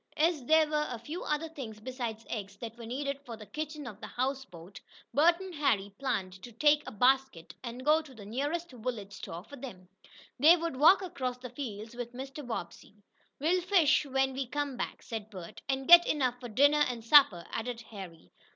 As there were a few other things besides eggs that were needed for the kitchen of the houseboat, Bert and Harry planned to take a basket, and go to the nearest village store for them. They would walk across the fields with Mr. Bobbsey. "We'll fish when we come back," said Bert. "And get enough for dinner and supper," added Harry.